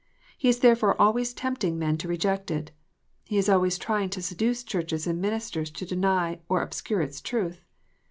He is therefore always tempting men to reject it. He is always trying to seduce Churches and ministers to deny or obscure its truth.